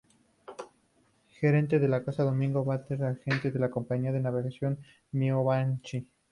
Gerente de la casa Domingo Barthe, Agente de la Compañía de navegación Mihanovich.